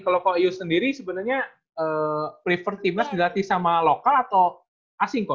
kalau kok iu sendiri sebenarnya prefer timnas dilatih sama lokal atau asing kok